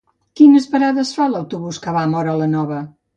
Quines parades fa l'autobús que va a Móra la Nova?